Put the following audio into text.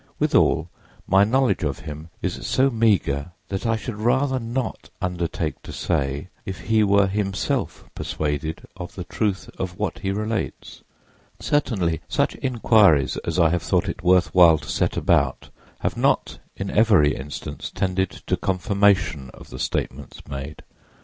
Withal, _my knowledge of him is so meager that I should rather not undertake to say if he were himself persuaded of the truth of what he relates_; _certainly such inquiries as I have thought it worth while to set about have not in every instance tended to confirmation of the statements made_.